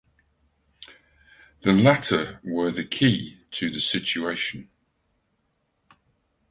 The latter were the key to the situation.